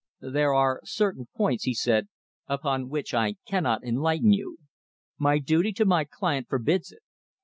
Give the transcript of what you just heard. "There are certain points," he said, "upon which I cannot enlighten you. My duty to my client forbids it.